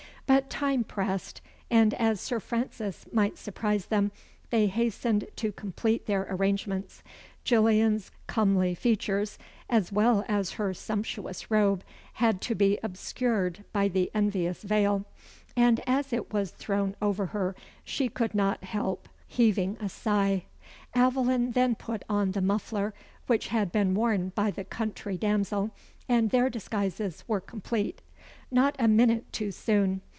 But time pressed; and as Sir Francis might surprise them, they hastened to complete their arrangements. Gillian's comely features, as well as her sumptuous robe, had to be obscured by the envious veil; and as it was thrown over her, she could not help heaving a sigh. Aveline then put on the muffler which had been worn by the country damsel, and their disguises were complete. Not a minute too soon.